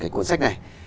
cuốn sách này